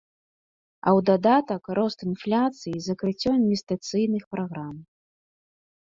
А ў дадатак рост інфляцыі і закрыццё інвестыцыйных праграм.